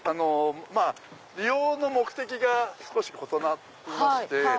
利用の目的が少し異なりまして。